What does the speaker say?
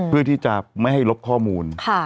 เพื่อที่จะไม่ให้ลบข้อมูล